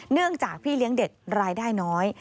เนื่องจากพี่เลี้ยงเด็กรายได้น้อย